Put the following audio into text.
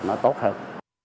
nó tốt hơn